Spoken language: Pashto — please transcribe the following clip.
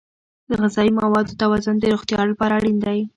د غذایي موادو توازن د روغتیا لپاره اړین دی.